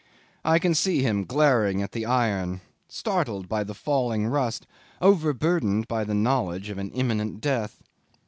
I can see him glaring at the iron, startled by the falling rust, overburdened by the knowledge of an imminent death.